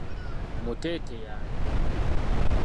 Muteete y'ani?